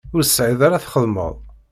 Ur tesɛiḍ ara txedmeḍ?